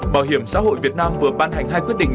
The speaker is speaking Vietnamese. bảo hiểm xã hội việt nam vừa ban hành hai quyết định